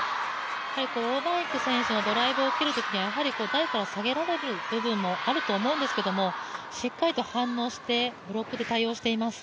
王曼イク選手のドライブを切るときは、台から下げられる部分もあると思うんですがしっかりと反応して、ブロックで対応しています。